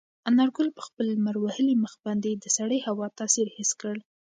انارګل په خپل لمر وهلي مخ باندې د سړې هوا تاثیر حس کړ.